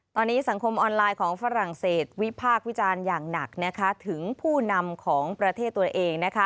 ตอนนี้สังคมออนไลน์ของฝรั่งเศสวิพากษ์วิจารณ์อย่างหนักถึงผู้นำของประเทศตัวเอง